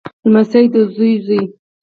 لمسی دزوی زوی